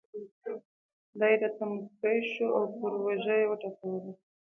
دی راته مسکی شو او پر اوږه یې وټکولم.